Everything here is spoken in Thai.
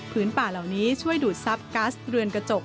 พื้นป่าเหล่านี้ช่วยดูดซับกัสเรือนกระจก